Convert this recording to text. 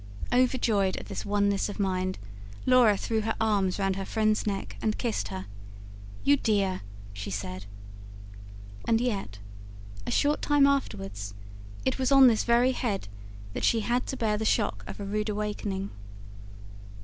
Overjoyed at this oneness of mind, Laura threw her arms round her friend's neck and kissed her. "You dear!" she said. And yet, a short time afterwards, it was on this very head that she had to bear the shock of a rude awakening.